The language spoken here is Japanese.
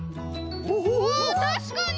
おたしかに！